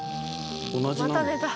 また寝た。